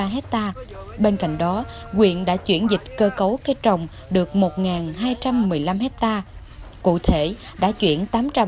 năm hai trăm sáu mươi ba hecta bên cạnh đó quyện đã chuyển dịch cơ cấu cây trồng được một hai trăm một mươi năm hecta cụ thể đã chuyển tám trăm hai mươi một